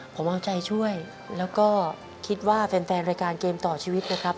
ผมเอาใจช่วยแล้วก็คิดว่าแฟนรายการเกมต่อชีวิตนะครับ